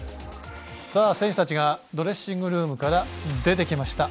選手たちがドレッシングルームから出てきました。